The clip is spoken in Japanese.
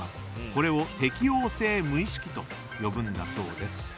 これを適応性無意識と呼ぶんだそうです。